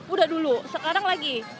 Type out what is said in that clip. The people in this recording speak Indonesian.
udah dulu sekarang lagi